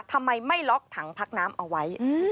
ทำไมไม่ล็อกถังพักน้ำเอาไว้